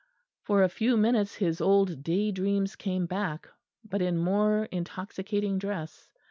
For a few minutes his old day dreams came back but in more intoxicating dress.